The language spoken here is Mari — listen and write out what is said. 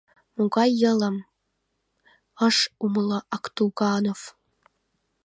— Могай йылым? — ыш умыло Актуганов.